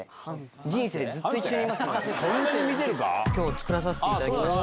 作らさせていただきまして。